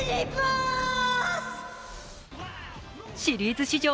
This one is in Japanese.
シリーズ史上